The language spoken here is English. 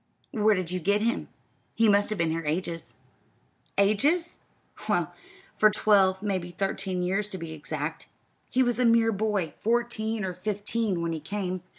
"Where did you get him? He must have been here ages." "Ages? Well, for twelve maybe thirteen years, to be exact. He was a mere boy, fourteen or fifteen, when he came.